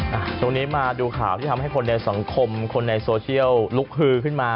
ตรงนี้มาดูข่าวที่ทำให้คนในสังคมคนในโซเชียลลุกฮือขึ้นมา